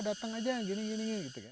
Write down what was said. datang aja gini gini